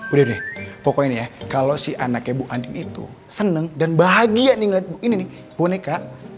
udah deh pokoknya nih ya kalau si anaknya bu andi itu seneng dan bahagia nih ngeliat boneka